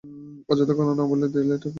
অযথা কথা না বইলা, দেয়াল কে ঠিক করবে ভাবো?